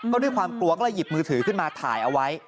ก็ด้วยความกลัวก็เลยหยิบมือถือขึ้นมาถ่ายเอาไว้